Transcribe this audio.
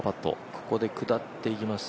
ここで下っていきます、